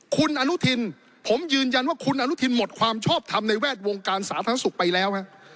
คุณอนุทินผมยืนยันว่าคุณอนุทินหมดความชอบทำในแวดวงการสาธารณสุขไปแล้วฮะ